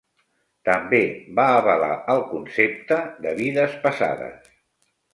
També va avalar el concepte de vides passades.